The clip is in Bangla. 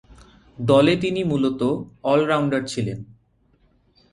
দলে তিনি মূলতঃ অল-রাউন্ডার ছিলেন।